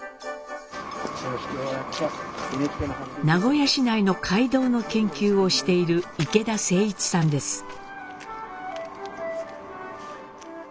名古屋市内の街道の研究をしている池田誠一さんです。